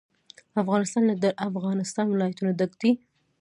افغانستان له د افغانستان ولايتونه ډک دی.